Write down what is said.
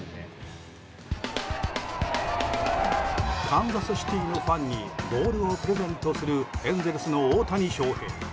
カンザスシティーのファンにボールをプレゼントするエンゼルスの大谷翔平。